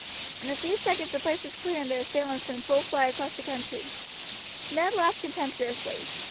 In a few seconds the place was cleared and the assailants in full flight across the country. Ned laughed contemptuously.